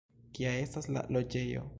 Kia estas la loĝejo?